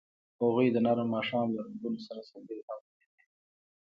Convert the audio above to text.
هغوی د نرم ماښام له رنګونو سره سندرې هم ویلې.